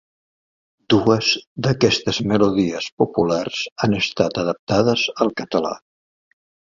Dues d'aquestes melodies populars han estat adaptades al català.